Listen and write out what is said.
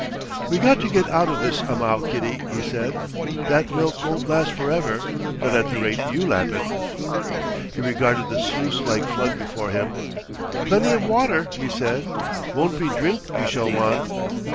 "We got to get out of this some'ow, Kitty," he said. "That milk won't last forever not at the rate you lap it." He regarded the sluice like flood before him. "Plenty of water," he said. "Won't be drink we shall want."